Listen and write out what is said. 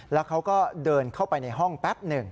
แล้วเขาก็เดินเข้าไปในห้องแป๊บหนึ่ง